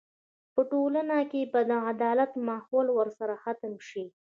په ټولنه کې به د عدالت ماحول ورسره ختم شي.